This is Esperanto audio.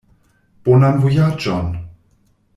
Bonan vojaĝon!